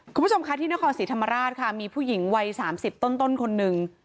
คุณผู้ชมค่ะที่นครศรีธรรมราชค่ะมีผู้หญิงวัย๓๐ต้นคนหนึ่ง